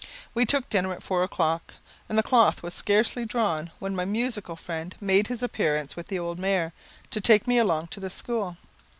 We took dinner at four o'clock, and the cloth was scarcely drawn, when my musical friend made his appearance with the old mare, to take me along to the school.